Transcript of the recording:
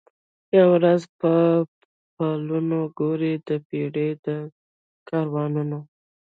یوه ورځ به پلونه ګوري د پېړۍ د کاروانونو